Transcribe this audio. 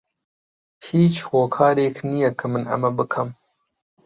هیچ هۆکارێک نییە کە من ئەمە بکەم.